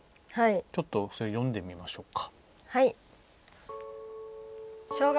ちょっとそれ読んでみましょうか。